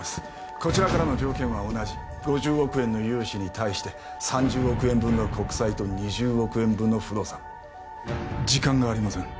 こちらからの条件は同じ５０億円の融資に対して３０億円分の国債と２０億円分の不動産時間がありません